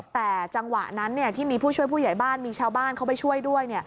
แต่จังหวะนั้นที่มีผู้ช่วยผู้ใหญ่บ้านมีชาวบ้านเขาไปช่วยด้วย